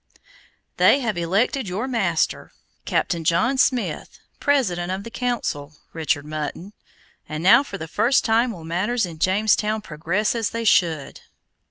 "They have elected your master, Captain John Smith, President of the Council, Richard Mutton, and now for the first time will matters in Jamestown progress as they should."